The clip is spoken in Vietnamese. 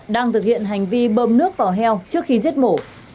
đang thực hiện hành vi bơm nước vào heo trước khi giết mổ